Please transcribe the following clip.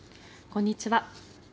こんにちは。